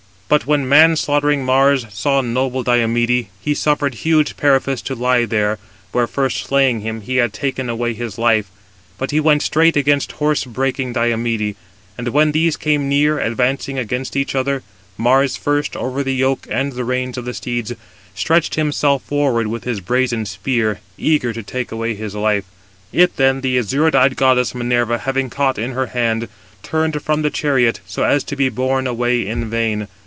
But when man slaughtering Mars saw noble Diomede, he suffered huge Periphas to lie there, where first slaying him he had taken away his life, but he went straight against horse breaking Diomede. And when these came near, advancing against each other, Mars first, over the yoke and the reins of the steeds, stretched himself forward with his brazen spear, eager to take away his life. It then the azure eyed goddess Minerva having caught in her hand, turned from the chariot, so as to be borne away in vain.